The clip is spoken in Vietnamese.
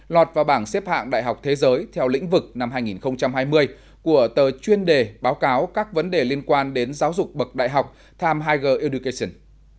lọt vào bảng xếp hạng đại học thế giới theo lĩnh vực năm hai nghìn hai mươi của tờ chuyên đề báo cáo các vấn đề liên quan đến giáo dục bậc đại học time higer education